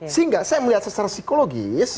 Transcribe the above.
sehingga saya melihat secara psikologis